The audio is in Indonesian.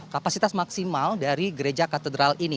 kapasitas maksimal dari gereja katedral ini